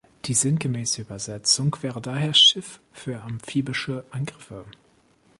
Die sinngemäße Übersetzung wäre daher "Schiff für amphibische Angriffe".